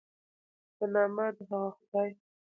په نامه د هغه خدای